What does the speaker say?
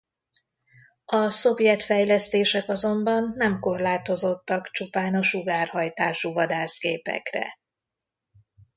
A szovjet fejlesztések azonban nem korlátozódtak csupán a sugárhajtású vadászgépekre.